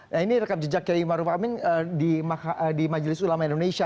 nah ini rekam jejak kiai maruf amin di majelis ulama indonesia